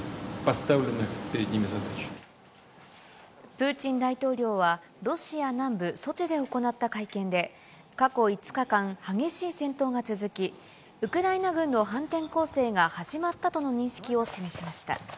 プーチン大統領は、ロシア南部ソチで行った会見で、過去５日間、激しい戦闘が続き、ウクライナ軍の反転攻勢が始まったとの認識を示しました。